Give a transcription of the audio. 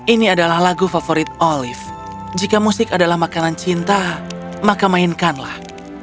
ini adalah lagu favorit olive jika musik adalah makanan cinta maka mainkanlah